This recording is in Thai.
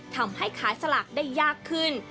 ทำให้ขายสลากได้ยากขึ้น